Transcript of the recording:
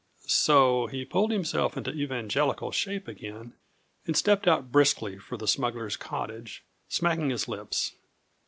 So he pulled himself into Evangelical shape again and stepped out briskly for the smuggler's cottage, smacking his lips.